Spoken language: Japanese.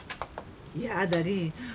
やだりん。